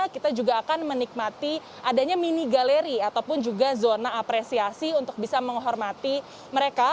kita juga akan menikmati adanya mini galeri ataupun juga zona apresiasi untuk bisa menghormati mereka